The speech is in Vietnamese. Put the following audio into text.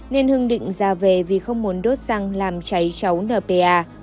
nên hưng định ra về vì không muốn đốt xăng làm cháy cháu npa